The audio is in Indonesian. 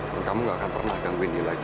dan kamu gak akan pernah gangguin dia lagi